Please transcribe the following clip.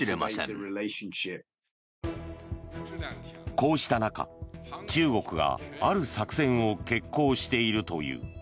こうした中、中国がある作戦を決行しているという。